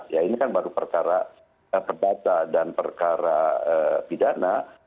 ya ini kan baru perkara perdata dan perkara pidana